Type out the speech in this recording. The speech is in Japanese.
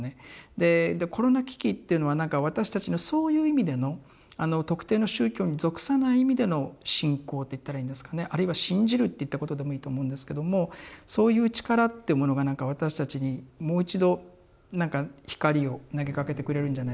でコロナ危機っていうのは私たちのそういう意味での特定の宗教に属さない意味での信仰って言ったらいいんですかねあるいは信じるっていったことでもいいと思うんですけどもそういう力ってものが私たちにもう一度光を投げかけてくれるんじゃないか。